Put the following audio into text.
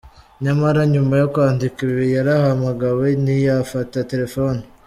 nyamara nyuma yo kwandika ibi yarahamagawe ntiyafata terefoni.